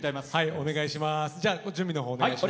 お願いします。